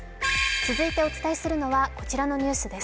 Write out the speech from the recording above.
続いてお伝えするのはこちらのニュースです。